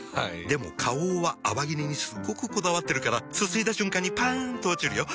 でも花王は泡切れにすっごくこだわってるからすすいだ瞬間にパン！と落ちるよ。